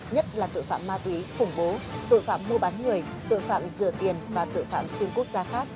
nhất là tội phạm ma túy khủng bố tội phạm mua bán người tội phạm rửa tiền và tội phạm xuyên quốc gia khác